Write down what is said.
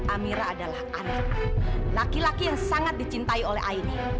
amira adalah anak laki laki yang sangat dicintai oleh aini